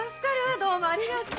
どうもありがとう。